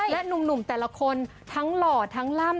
และหนุ่มแต่ละคนทั้งหล่อทั้งล่ำ